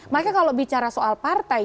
maka kalau bicara soal partai